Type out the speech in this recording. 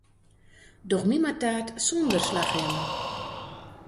Doch my mar taart sûnder slachrjemme.